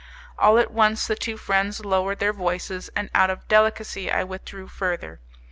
All at once the two friends lowered their voices, and out of delicacy I withdrew further.